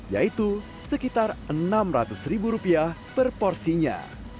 yaitu sekitar enam ratus ribu rupiah per porsinya